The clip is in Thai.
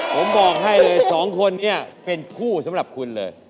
ผมบอกให้เลยสองคนนี้เป็นคู่สำหรับคุณเลย